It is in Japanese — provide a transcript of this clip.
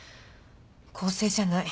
公正じゃない。